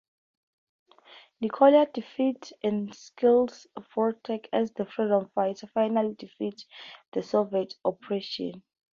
Nikolai defeats and kills Vortek, as the freedom fighters finally defeat the Soviet oppression.